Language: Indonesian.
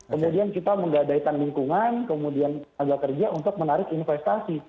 kemudian kita menggadaikan lingkungan kemudian tenaga kerja untuk menarik investasi